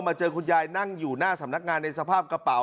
เจอคุณยายนั่งอยู่หน้าสำนักงานในสภาพกระเป๋า